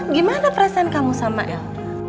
gimana perasaan kamu sama el